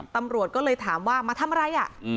ตำรวจก็เลยถามว่ามาทำอะไร